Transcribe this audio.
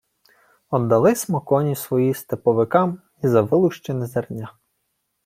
— Оддали смо коні свої степовикам ні за вилущене зерня.